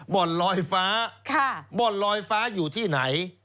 บ่อนลอยฟ้าบ่อนลอยฟ้าอยู่ที่ไหน